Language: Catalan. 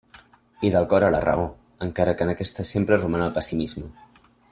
I del cor a la raó, encara que en aquesta sempre roman el pessimisme.